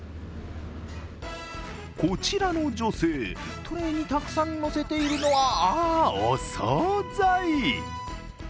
こちらの女性、トレーにたくさんのせているのはお総菜。